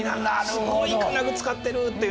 すごい金具使ってるっていうのが。